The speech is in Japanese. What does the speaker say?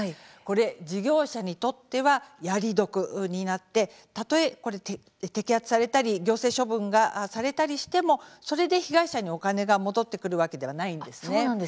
事業者にとってはやり得となってたとえ摘発されたり行政処分されたとしてもそれで被害者にお金が戻ってくるわけではないんです。